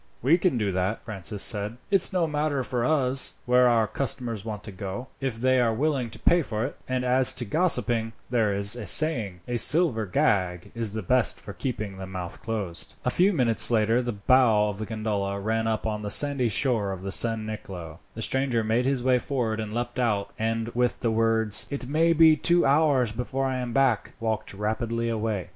"We can do that," Francis said. "It's no matter to us where our customers want to go, if they are willing to pay for it; and as to gossiping, there is a saying, 'A silver gag is the best for keeping the mouth closed.'" A few minutes later the bow of the gondola ran up on the sandy shore of San Nicolo. The stranger made his way forward and leapt out, and with the words, "It may be two hours before I am back," walked rapidly away.